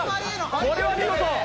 これは見事！